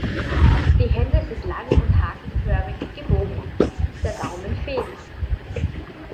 Die Hände sind lang und hakenförmig gebogen, der Daumen fehlt.